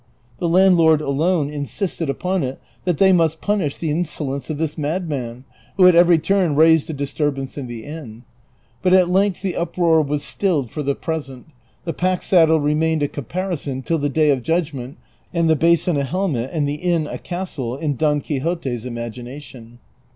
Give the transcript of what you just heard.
The landlord alone insisted upon it that they must punish the insolence of this madman, Avho at every turn raised a disturbance in the inn ; but at length the uproar was stilled for the present ; the pack saddle remained a caparison till the day of judgment, and the basin a helmet and the inn a castle in Don Quixote's imagination.